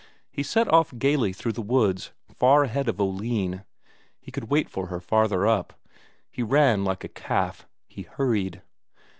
He set off gaily through the woods, far ahead of Oline; he could wait for her farther up. He ran like a calf; he hurried.